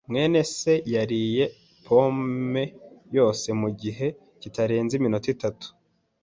mwene se yariye pome yose mugihe kitarenze iminota itatu.